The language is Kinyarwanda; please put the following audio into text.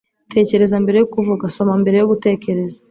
tekereza mbere yo kuvuga. soma mbere yo gutekereza